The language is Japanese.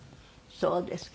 そうですか。